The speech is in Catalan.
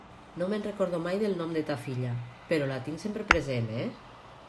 No me'n recordo mai del nom de ta filla, però la tinc sempre present, eh?